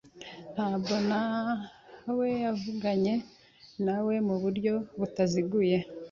Ntabwo nawevuganye nawe mu buryo butaziguye.